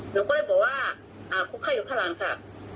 หนูก็เลยบอกว่าอ่าคุณไข้อยู่ข้างหลังค่ะ